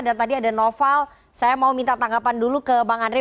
dan tadi ada noval saya mau minta tanggapan dulu ke bang andre